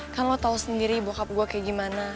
kan lo tau sendiri bockup gue kayak gimana